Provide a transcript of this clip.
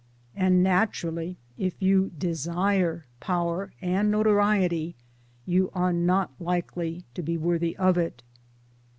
And naturally if you desire power (and 1 notoriety) you are not likely, to be worthy of it.